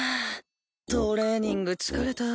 トレーニング疲れた。